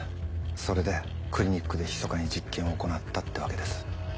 それでクリニックでひそかに実験を行ったってわけです。